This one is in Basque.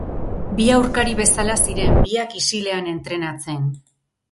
Bi aurkari bezala ziren, biak isilean entrenatzen.